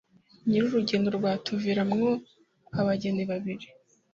nyiri urugendo rwatuvira mwo abageni babiri,